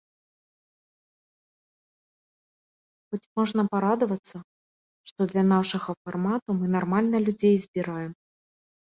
Хоць можна парадавацца, што для нашага фармату мы нармальна людзей збіраем.